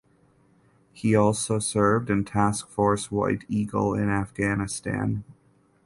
He also served in Task Force White Eagle in Afghanistan.